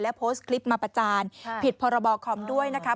และโพสต์คลิปมาประจานผิดพรบคอมด้วยนะคะ